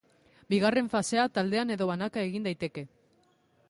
Bigarren fasea taldean edo banaka egin daiteke.